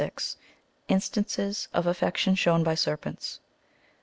— I^^STANCES OF AFFECTION SHOWX BY SERPENTS.